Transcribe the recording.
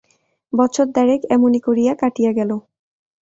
বৎসর দেড়েক এমনি করিয়া কাটিয়া গেল।